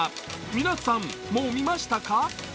皆さん、もう見ましたか？